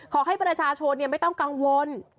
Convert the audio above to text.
ขอให้ประชาชนไม่ต้องกังวล